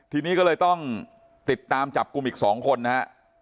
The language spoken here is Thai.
ทีนี้ก็เลยต้องติดตามจับกลุ่มอีก๒คนนะฮะ